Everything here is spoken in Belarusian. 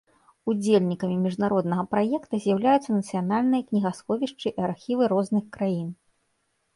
Удзельнікамі міжнароднага праекта з'яўляюцца нацыянальныя кнігасховішчы і архівы розных краін.